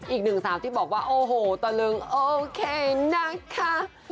อีกหนึ่งสาวที่บอกว่าโอ้โหตะลึงโอเคนะคะ